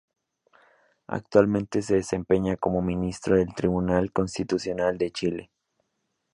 Actualmente se desempeña como ministro del Tribunal Constitucional de Chile.